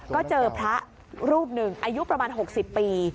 ก็เจอพระรูปหนึ่งอายุประมาณ๖๐ปี